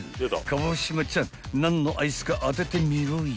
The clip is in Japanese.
［川島ちゃん何のアイスか当ててみろい］